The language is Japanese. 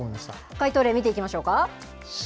解答例、見ていきましょうか。